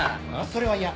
それは嫌。